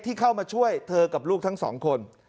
เข้ามาช่วยเธอกับลูกทั้งสองคน